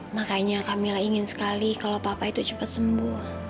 makanya kami ingin sekali kalau papa itu cepat sembuh